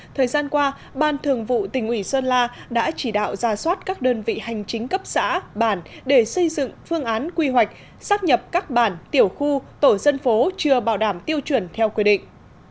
thời gian qua ban thường vụ tỉnh ủy sơn la đã chỉ đạo ra soát các đơn vị hành chính cấp xã bản để xây dựng phương án quy hoạch sát nhập các bản tiểu khu tổ dân phố chưa bảo đảm tiêu chuẩn theo quy định